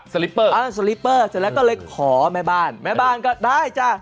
ลิปเปอร์อ่าสลิปเปอร์เสร็จแล้วก็เลยขอแม่บ้านแม่บ้านก็ได้จ้ะ